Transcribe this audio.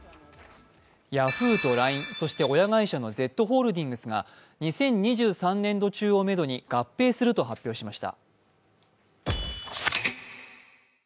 Ｙａｈｏｏ！とＬＩＮＥそして親会社のＺホールディングスが２０２３年度中をめどに合併すると発表しました。